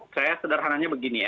saya sederhananya begini ya